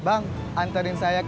rupanya ini dia dari negara aku